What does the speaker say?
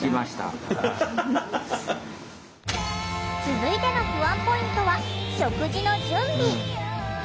続いての不安ポイントは食事の準備。